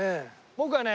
僕はね